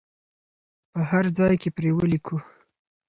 په هر ځای کې پرې ولیکو.